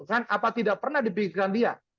kan apa tidak pernah dipikirkan dia